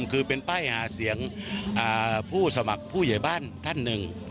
คือเป็นป้ายหาเสียงผู้สมัครผู้ใหญ่บ้านท่านหนึ่ง